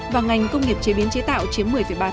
và ngành công nghiệp chế biến chế tạo chiếm một mươi ba